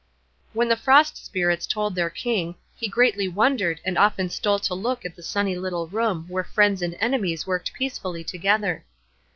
When the Frost Spirits told their King, he greatly wondered and often stole to look at the sunny little room where friends and enemies worked peacefully together.